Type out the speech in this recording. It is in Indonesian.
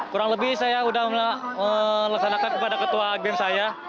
kurang lebih saya sudah melaksanakan kepada ketua game saya